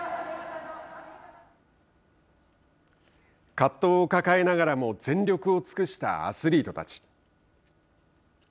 葛藤を抱えながらも全力を尽くしたアスリートたち。